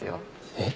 えっ？